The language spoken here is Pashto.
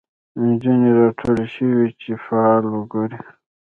نجونې راټولي شوی چي فال وګوري